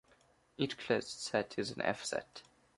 Each closed set is an F set.